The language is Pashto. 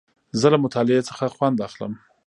زه له مطالعې څخه خوند اخلم.